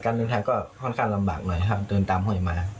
เดินทางก็ค่อนข้างลำบากหน่อยครับเดินตามห้อยมา